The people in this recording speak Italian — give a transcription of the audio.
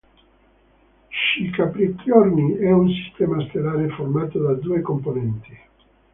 Xi Capricorni è un sistema stellare formato da due componenti.